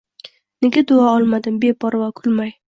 Nega duo olmadim beparvo kulmay